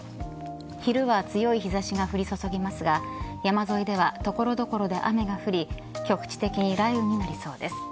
昼は強い日差しが降り注ぎますが山沿いでは所々で雨が降り局地的に雷雨になりそうです。